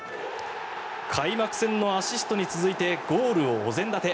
開幕戦のアシストに続いてゴールをお膳立て。